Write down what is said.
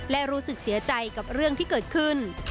และรู้สึกเสียใจกับเรื่องที่เกิดขึ้น